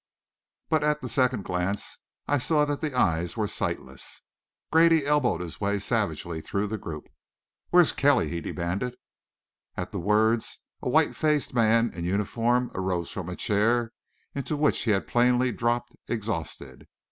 But, at the second glance, I saw that the eyes were sightless. Grady elbowed his way savagely through the group. "Where's Kelly?" he demanded. At the words, a white faced man in uniform arose from a chair into which he had plainly dropped exhausted.